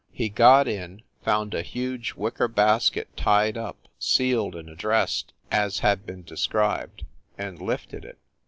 He got in, found a huge wicker basket tied up, sealed and addressed, as had been described, and lifted it.